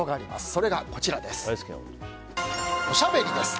それが、おしゃべりです。